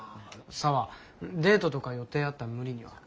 沙和デートとか予定あったら無理には。